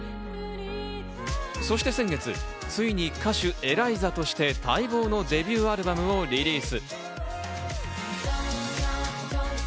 そして先月ついに歌手ＥＬＡＩＺＡとして待望のデビューアルバムをリリース。